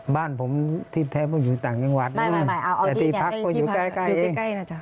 บ้านผมที่แท้ผมอยู่ต่างจังหวัดนะแต่ที่พักก็อยู่ใกล้เอง